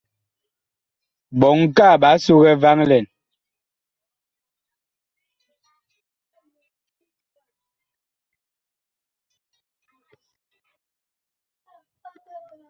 Ɓɔŋ kaa ɓaa sugɛ vaŋ lɛn.